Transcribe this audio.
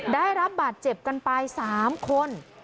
ได้รับบาดเจ็บกันไป๓คน